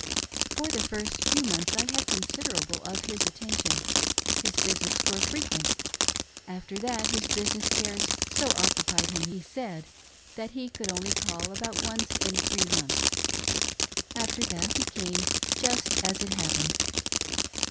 For the first few months I had considerable of his attention ; his visits were frequent ; after that his business cares so occupied him, he said, that he could only call about once in three months. After that he came " just as it happened."